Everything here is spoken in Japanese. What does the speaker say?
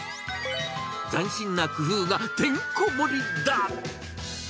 斬新な工夫がてんこ盛りだ。